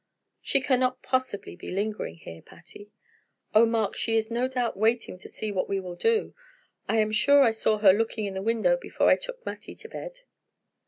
"She cannot possibly be lingering here, Patty." "Oh, Mark, she is no doubt waiting to see what we will do. I am sure I saw her looking in the window before I took Mattie to bed."